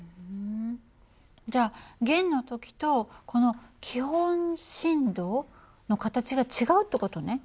じゃあ弦の時とこの基本振動の形が違うって事ね。